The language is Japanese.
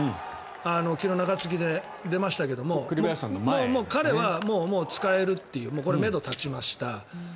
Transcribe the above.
昨日、中継ぎ出ましたけども彼は使えるというめどが立ちました。